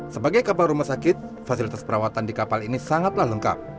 sebagai kapal rumah sakit fasilitas perawatan di kapal ini sangatlah lengkap